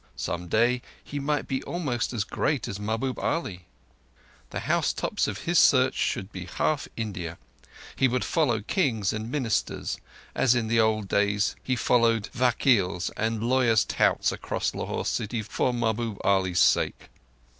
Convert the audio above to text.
Some day he might be almost as great as Mahbub Ali! The housetops of his search should be half India; he would follow Kings and Ministers, as in the old days he had followed vakils and lawyers' touts across Lahore city for Mahbub Ali's sake.